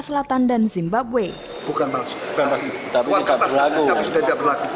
bukan maksud asli uang kertas asli tapi sudah tidak berlaku